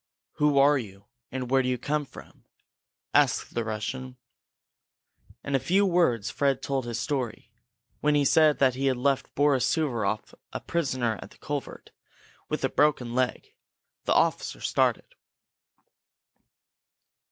"Who are you, and where do you come from?" asked the Russian. In a few words Fred told his story. When he said that he had left Boris Suvaroff a prisoner at the culvert, with a broken leg, the officer started.